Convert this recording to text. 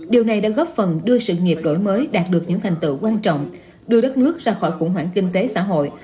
điều này đã góp phần đưa sự nghiệp đổi mới đạt được những thành tựu quan trọng đưa đất nước ra khỏi khủng hoảng kinh tế xã hội